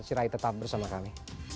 sirai tetap bersama kami